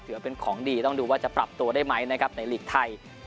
เป็นของดีต้องดูว่าจะปรับตัวได้ไหมนะครับในหลีกไทย